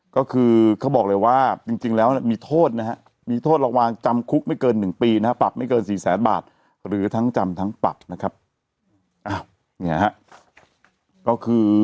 ก็คือเขาบอกเลยว่าจริงแล้วมีโทษนะฮะมีโทษระวังจำคุกไม่เกิน๑ปีนะฮะปรับไม่เกิน๔แสนบาทหรือทั้งจำทั้งปรับนะครับก็คือ